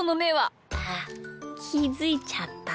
あっきづいちゃった？